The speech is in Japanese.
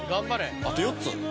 あと４つ。